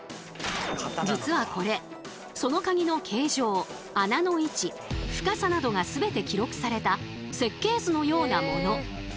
実はこれそのカギの形状穴の位置深さなどが全て記録された設計図のようなもの。